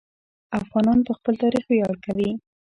افغانان په خپل تاریخ ویاړ کوي.